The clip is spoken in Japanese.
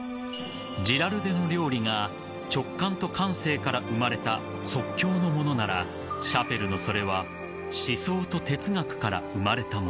［ジラルデの料理が直感と感性から生まれた即興のものならシャペルのそれは思想と哲学から生まれたもの］